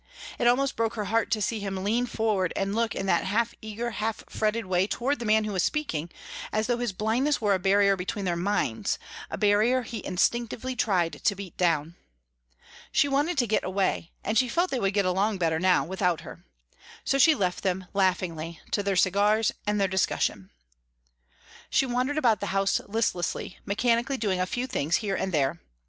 It almost broke her heart to see him lean forward and look in that half eager, half fretted way toward the man who was speaking, as though his blindness were a barrier between their minds, a barrier he instinctively tried to beat down. She wanted to get away, and she felt they would get along better now without her. So she left them, laughingly, to their cigars and their discussion. She wandered about the house listlessly, mechanically doing a few things here and there.